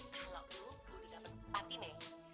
kalau lo lo tidak berpati nih